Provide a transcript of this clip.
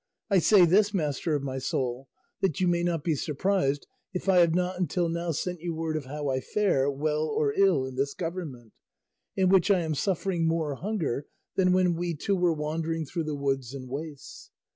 I say this, master of my soul, that you may not be surprised if I have not until now sent you word of how I fare, well or ill, in this government, in which I am suffering more hunger than when we two were wandering through the woods and wastes.